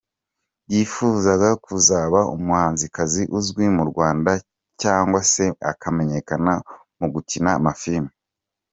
Yifuzaga kuzaba umuhanzikazi uzwi mu Rwanda cyangwa se akamenyekana mu gukina amafilime.